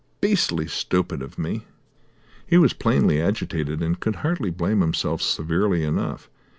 Beastly stupid of me." He was plainly agitated, and could hardly blame himself severely enough.